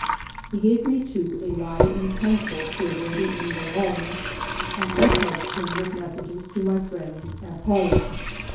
He gave me, too, a line in pencil to a lady in Leon, and I charged him with messages to my friends at home.